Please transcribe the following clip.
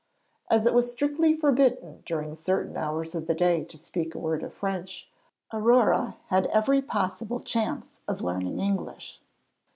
As it was strictly forbidden during certain hours of the day to speak a word of French, Aurore had every possible chance of learning English.